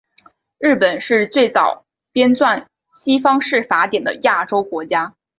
日本是最早编纂西方式法典的亚洲国家。